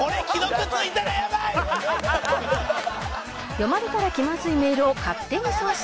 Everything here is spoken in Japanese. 読まれたら気まずいメールを勝手に送信